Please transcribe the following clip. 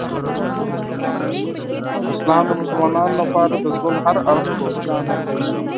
اسلام د مسلمانانو لپاره د ژوند هر اړخ روښانه کوي.